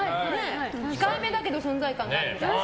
控えめだけど存在感あるみたいな。